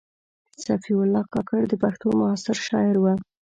صفي الله کاکړ د پښتو معاصر شاعر و.